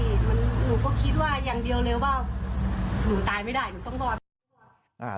หนูก็คิดว่าอย่างเดียวเลยว่าหนูตายไม่ได้หนูต้องรอด